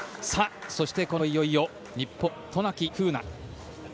そして、このあといよいよ日本の渡名喜風南。